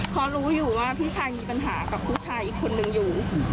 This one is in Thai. เพราะรู้อยู่ว่าพี่ชายมีปัญหากับผู้ชายอีกคนนึงอยู่